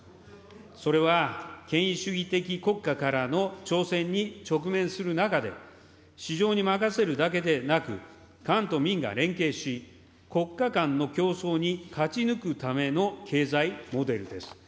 それは、権威主義的国家からの挑戦に直面する中で、市場に任せるだけでなく、官と民が連携し、国家間の競争に勝ち抜くための経済モデルです。